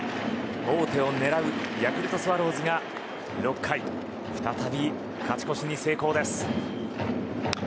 王手を狙うヤクルトスワローズが６回再び勝ち越しに成功です。